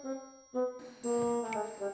gak mau dikawasi